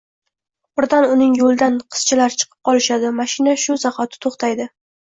Birdan uning yoʻlidan qizchalar chiqib qolishadi, mashina shu zahoti toʻxtaydi.